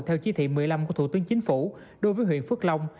theo chỉ thị một mươi năm của thủ tướng chính phủ đối với huyện phước long